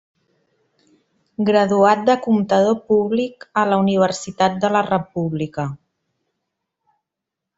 Graduat de comptador públic a la Universitat de la República.